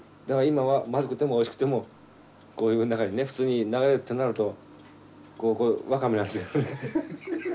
だから今はまずくてもおいしくてもこういう中にね普通にこれわかめなんですけどね。